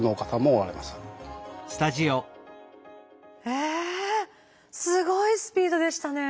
えっすごいスピードでしたね。